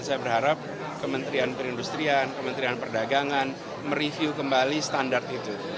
saya berharap kementerian perindustrian kementerian perdagangan mereview kembali standar itu